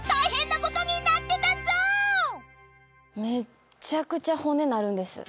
めっちゃくちゃ骨鳴るんです。